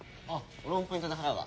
俺もポイントで払うわ。